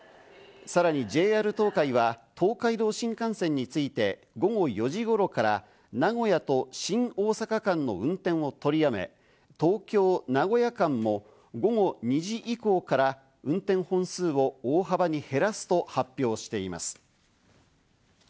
さらにＪＲ東海は東海道新幹線について午後４時頃から名古屋と新大阪駅間で運転を取り止め、東京−名古屋間も午後２時以降から運転本数を大幅に減らすと発表しています。